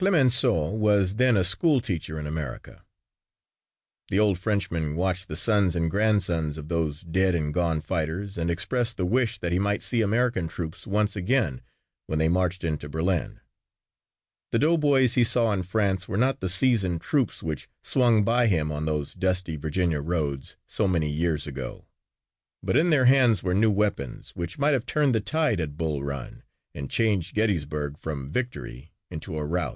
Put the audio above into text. Clemenceau was then a school teacher in America. The old Frenchman watched the sons and grandsons of those dead and gone fighters and expressed the wish that he might see American troops once again when they marched into Berlin. The doughboys he saw in France were not the seasoned troops which swung by him on those dusty Virginia roads so many years ago, but in their hands were new weapons which might have turned the tide at Bull Run and changed Gettysburg from victory into a rout.